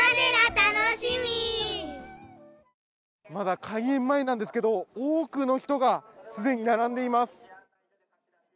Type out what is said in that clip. まだ開園前なんですけど、多くの人が、既に並んでいます。